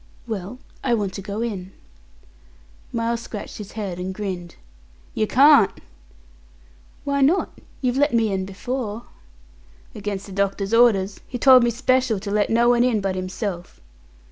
"Well, I want to go in." Miles scratched his head, and grinned. "Yer carn't." "Why not? You've let me in before." "Against the doctor's orders. He told me special to let no one in but himself."